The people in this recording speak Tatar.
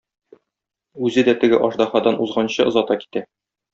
Үзе дә теге аждаһадан узганчы озата китә.